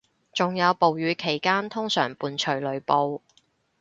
仲有暴雨期間通常伴隨雷暴